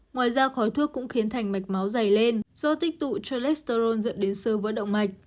ngoài ra khói thuốc cũng khiến thành mạch máu dày lên do tích tụ cholesterol dẫn đến sơ vỡ động mạch